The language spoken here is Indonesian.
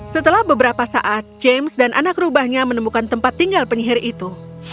setelah beberapa saat james dan anak rubahnya menemukan tempat tinggal penyihir itu